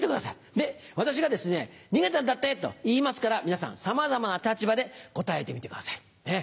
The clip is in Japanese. で私が「逃げたんだって？」と言いますから皆さんさまざまな立場で答えてみてください。